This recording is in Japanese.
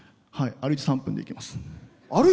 歩いて３分で行けます。